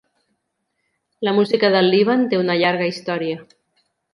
La música del Líban té una llarga història.